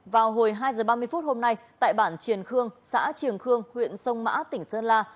vào hồi hai h ba mươi phút hôm nay tại bản triền khương xã trường khương huyện sông mã tỉnh sơn la